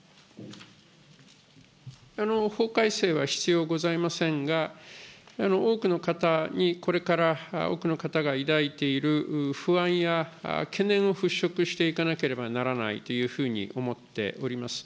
法改正は必要ございませんが、多くの方に、これから多くの方が抱いている不安や、懸念を払しょくしていかなければならないというふうに思っております。